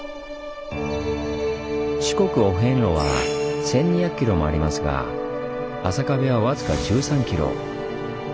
四国お遍路は１，２００ｋｍもありますが浅ヶ部は僅か１３ｋｍ。